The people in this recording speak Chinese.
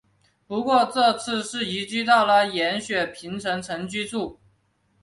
不过这次是移居到了延雪平城城居住。